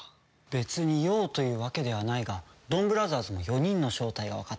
別に用というわけではないがドンブラザーズの４人の正体がわかった。